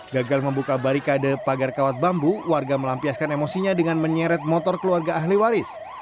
gagal membuka barikade pagar kawat bambu warga melampiaskan emosinya dengan menyeret motor keluarga ahli waris